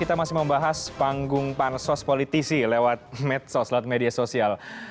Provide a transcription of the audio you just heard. kita masih membahas panggung pansos politisi lewat medsos lewat media sosial